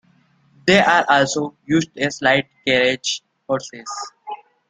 They are also used as light carriage horses.